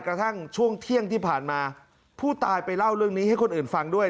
กระทั่งช่วงเที่ยงที่ผ่านมาผู้ตายไปเล่าเรื่องนี้ให้คนอื่นฟังด้วย